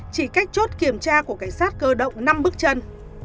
chỉ cách chốt kiểm tra của cảnh sát cơ động năm bước chân